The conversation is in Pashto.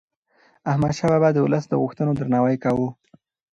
احمدشاه بابا د ولس د غوښتنو درناوی کاوه.